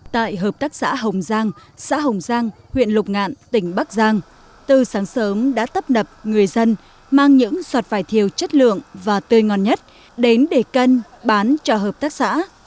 tại hợp tác xã hồng giang xã hồng giang huyện lục ngạn tỉnh bắc giang từ sáng sớm đã tấp nập người dân mang những giọt vải thiều chất lượng và tươi ngon nhất đến để cân bán cho hợp tác xã